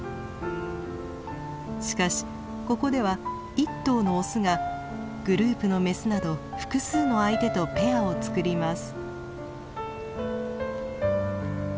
しかしここでは１頭のオスがグループのメスなど複数の相手とペアをつくります。